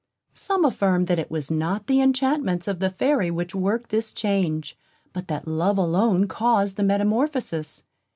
Some affirm that it was not the enchantments of the Fairy which worked this change, but that love alone caused the metamorphosis.